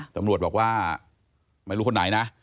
ตำรวจบอกว่าไม่รู้คนไหนนะ